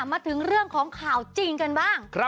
มาถึงเรื่องของข่าวจริงกันบ้าง